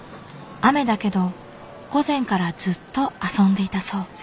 雨だけど午前からずっと遊んでいたそう。